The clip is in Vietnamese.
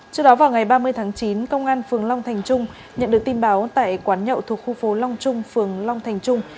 trước đó vào ngày ba mươi tháng chín công an phường long thành trung nhận được tin báo tại quán nhậu thuộc khu phố long trung phường long thành trung